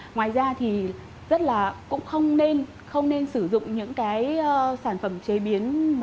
ngoài ra thì cũng không nên sử dụng những sản phẩm chế biến